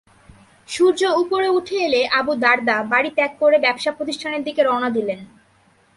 সূর্য উপরে উঠে এলে আবু দারদা বাড়ি ত্যাগ করে ব্যবসা প্রতিষ্ঠানের দিকে রওনা দিলেন।